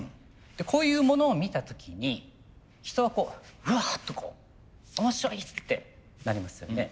こういうものを見た時に人はこう「うわ！」とこう「面白い！」ってなりますよね。